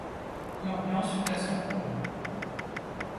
L'ambiance fut à son comble.